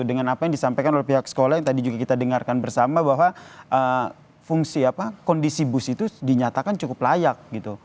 dengan apa yang disampaikan oleh pihak sekolah yang tadi juga kita dengarkan bersama bahwa kondisi bus itu dinyatakan cukup layak